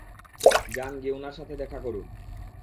যান গিয়ে উনার সাথে দেখা করুন।